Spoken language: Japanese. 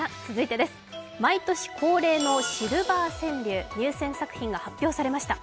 毎年恒例のシルバー川柳、入選作品が発表されました。